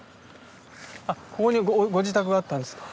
あっここにご自宅があったんですか？